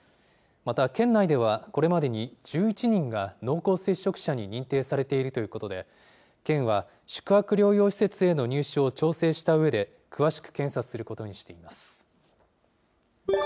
また県内では、これまでに１１人が濃厚接触者に認定されているということで、県は宿泊療養施設への入所を調整したうえで、詳しく検査することにしています。